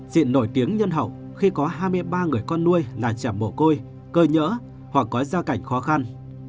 diện nổi tiếng nhân hậu khi có hai mươi ba người con nuôi là trẻ mồ côi cơ nhỡ hoặc có gia cảnh khó khăn